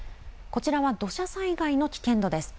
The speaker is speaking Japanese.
こちらは土砂災害の危険度です。